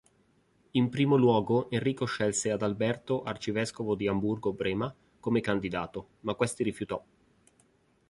In primo luogo, Enrico scelse Adalberto arcivescovo di Amburgo-Brema come candidato, ma questi rifiutò.